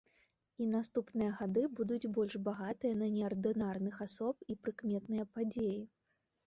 І наступныя гады будуць больш багатыя на неардынарных асоб і прыкметныя падзеі.